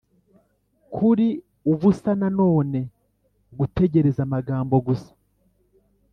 kuri ubusa na none, gutegereza amagambo gusa.